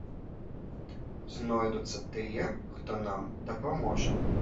Знойдуцца тыя, хто нам дапаможа.